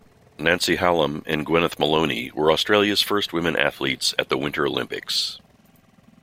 Nancy Hallam and Gweneth Molony were Australia's first women athletes at the Winter Olympics.